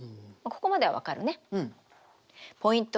ここまでは分かるね？